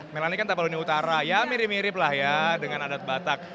melani kan tapaloni utara ya mirip mirip lah ya dengan adat batak